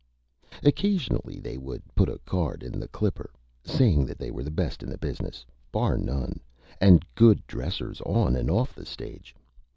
Occasionally they would put a Card in the Clipper, saying that they were the Best in the Business, Bar None, and Good Dressers on and off the Stage.